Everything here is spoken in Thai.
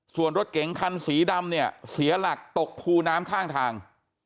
ส่วนรถเก๋งคันสีดำเนี่ยเสียหลักตกคูน้ำข้างทาง